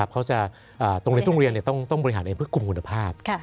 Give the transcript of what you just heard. เขาจะโรงเรียนต้องบริหารเองเพื่อกลุ่มคุณภาพ